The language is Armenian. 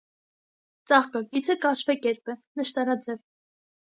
Ծաղկակիցը կաշվեկերպ է, նշտարաձև։